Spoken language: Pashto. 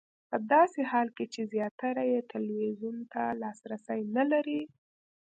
په داسې حال کې چې زیاتره یې ټلویزیون ته لاسرسی نه لري.